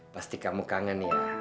pasti kamu kangen ya